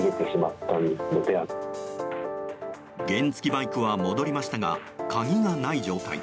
原付きバイクは戻りましたが鍵がない状態。